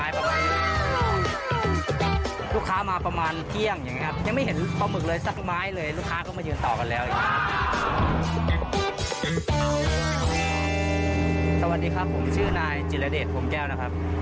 เปิดมาประมาณ๑๗ปีแล้วครับ